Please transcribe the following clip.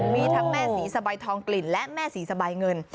มีทั้งแม่ศรีสะใบทองกลิ่นและแม่ศรีสบายเงิน